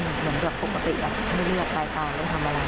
เหมือนแบบปกติไม่เลือกตายตายไม่ทำอะไร